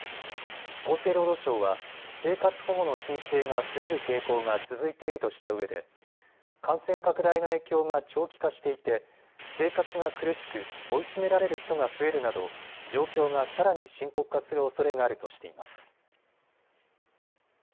厚生労働省は生活保護の申請が増える傾向が続いているとしたうえで感染拡大の影響が長期化していて生活が苦しく追い詰められる人が増えるなど状況がさらに深刻化するおそれがあるとしています。